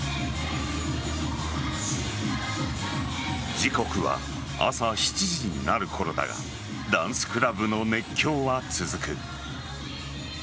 時刻は朝７時になる頃だがダンスクラブの熱狂は続く。